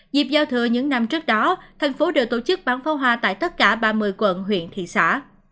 dịp giao thừa những năm trước đó thành phố đều tổ chức bán pháo hoa tại tất cả ba mươi quận huyện thị xã